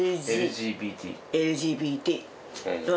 ＬＧＢＴ。